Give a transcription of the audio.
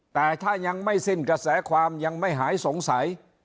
แต่ถ้ายังไม่สิ้นกระแสความยังไม่หายสงสัย